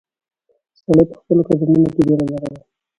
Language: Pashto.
سړی په خپلو قدمونو کې بیړه لرله.